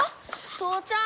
父ちゃん！